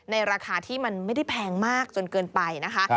ราคาที่มันไม่ได้แพงมากจนเกินไปนะคะ